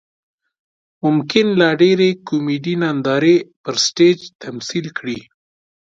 ممکن لا ډېرې کومیډي نندارې پر سټیج تمثیل کړي.